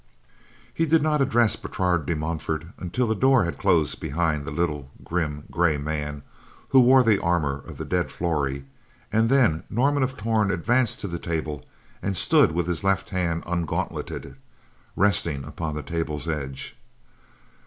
He did not address Bertrade de Montfort until the door had closed behind the little grim, gray man who wore the armor of the dead Flory and then Norman of Torn advanced to the table and stood with his left hand ungauntleted, resting upon the table's edge.